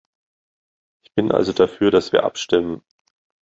Ich bin also dafür, dass wir abstimmen.